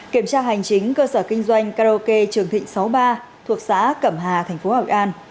kiểm tra hành chính cơ sở kinh doanh karaoke trường thịnh sáu mươi ba thuộc xã cẩm hà thành phố hội an